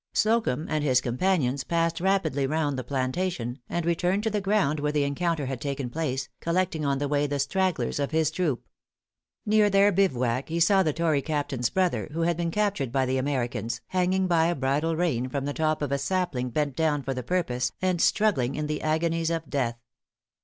Slocumb and his companions passed rapidly round the plantation, and returned to the ground where the encounter had taken place, collecting on the way the stragglers of his troop. Near their bivouac he saw the tory captain's brother, who had been captured by the Americans, hanging by a bridal rein from the top of a sapling bent down for the purpose, and struggling in the agonies of death.